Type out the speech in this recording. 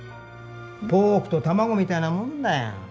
ポークと卵みたいなもんだよ。